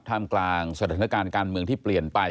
กลางสถานการณ์การเมืองที่เปลี่ยนไป